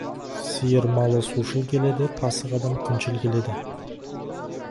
Сиыр малы сушыл келеді, пасық адам күншіл келеді.